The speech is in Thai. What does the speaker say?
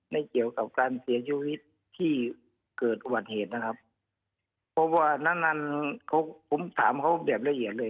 ไม่เกี่ยวกับการเสียชีวิตที่เกิดอุบัติเหตุนะครับเพราะว่านานเขาผมถามเขาแบบละเอียดเลย